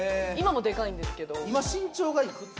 今もデカいんですけど今身長がいくつ？